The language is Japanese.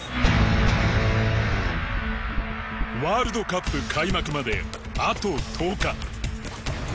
ワールドカップ開幕まであと１０日。